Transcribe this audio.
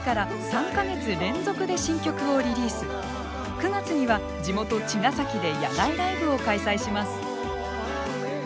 ９月には地元茅ヶ崎で野外ライブを開催します。